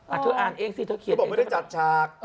อ่าเธออ่านเองสิเธอเขียนเองถูกบอกไม่ได้จัดฉาก